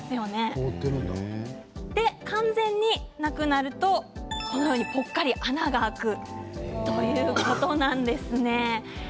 完全になくなるとこのように、ぽっかり穴があくということなんですね。